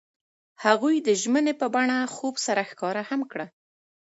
هغوی د ژمنې په بڼه خوب سره ښکاره هم کړه.